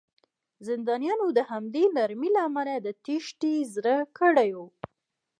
زندانیانو د همدې نرمۍ له امله د تېښتې زړه کړی و